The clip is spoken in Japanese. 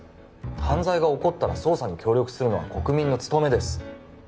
犯罪が起こったら捜査に協力するのは国民の務めです